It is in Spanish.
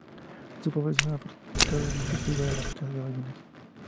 Su población ha practicada durante siglos la caza de ballenas.